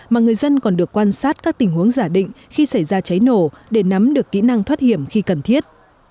mà người dân còn được quan sát các tình huống giả định khi xảy ra cháy nổ để nắm được kỹ năng thoát hiểm khi cần thiết